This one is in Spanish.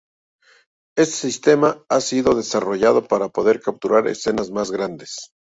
Este sistema ha sido desarrollado para poder capturar escenas más grandes.